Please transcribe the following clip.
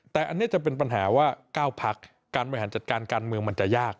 แต่อันนี้จะเป็นปัญหาว่า๙พักการบริหารจัดการการเมืองมันจะยาก